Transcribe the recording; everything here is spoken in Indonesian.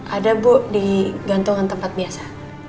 ada bu di gantungan tempat biasa